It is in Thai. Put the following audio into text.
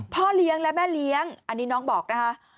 พ่อเลี้ยงและแม่เลี้ยงอันนี้น้องบอกนะคะ